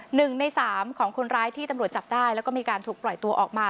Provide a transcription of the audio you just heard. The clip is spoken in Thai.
หนึ่งในสามของคนร้ายที่ตำรวจจับได้แล้วก็มีการถูกปล่อยตัวออกมา